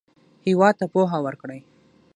هېواد ته پوهه ورکړئ